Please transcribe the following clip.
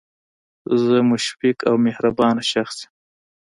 زه مشفق او مهربانه شخص یم